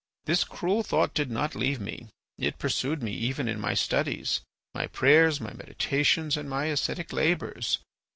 This cruel thought did not leave me. It pursued me even in my studies, my prayers, my meditations, and my ascetic labours.